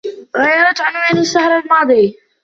غيرت عنواني الشهر الماضي.